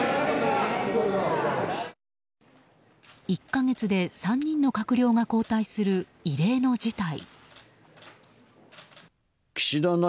１か月で３人の閣僚が交代する異例の事態。